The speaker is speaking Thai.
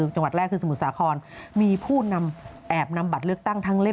จังหวัดแรกคือสมุทรสาครมีผู้นำแอบนำบัตรเลือกตั้งทั้งเล่ม